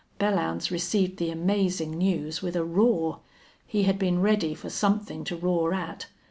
Belllounds received the amazing news with a roar. He had been ready for something to roar at.